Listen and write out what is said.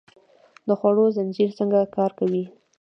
د خوړو زنځیر څنګه کار کوي؟